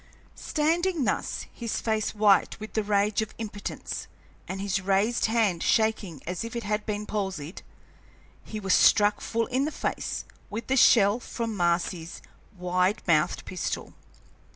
Standing thus, his face white with the rage of impotence and his raised hand shaking as if it had been palsied, he was struck full in the face with the shell from Marcy's wide mouthed pistol.